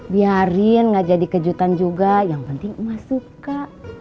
biarin gak jadi kejutan juga yang penting mah suka